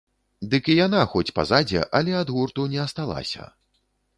Дык і яна хоць па задзе, але ад гурту не асталася.